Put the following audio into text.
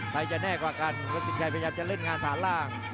จะแน่กว่ากันวัดสินชัยพยายามจะเล่นงานฐานล่าง